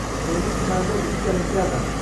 Yangi tumanda ilk olimpiada